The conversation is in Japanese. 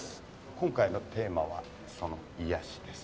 今回のテーマはその癒やしです。